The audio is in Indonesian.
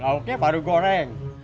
lauknya baru goreng